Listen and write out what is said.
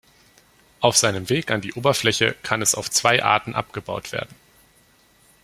Auf seinem Weg an die Oberfläche kann es auf zwei Arten abgebaut werden.